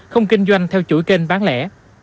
không kinh doanh theo chuỗi kênh bán lẻ